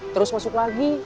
terus masuk lagi